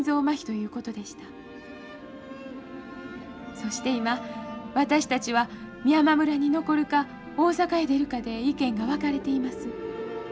そして今私たちは美山村に残るか大阪へ出るかで意見が分かれています。